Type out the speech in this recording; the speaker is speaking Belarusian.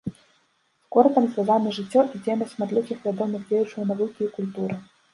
З горадам звязаны жыццё і дзейнасць шматлікіх вядомых дзеячаў навукі і культуры.